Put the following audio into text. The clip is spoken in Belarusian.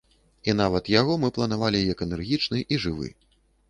І нават яго мы планавалі як энергічны і жывы.